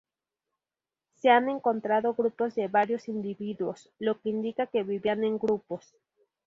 Se han encontrado grupos de varios individuos, lo que indica que vivían en grupos.